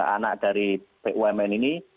anak dari bumn ini